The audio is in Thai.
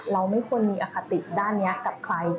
เราไม่ควรมีอคติด้านนี้กับใคร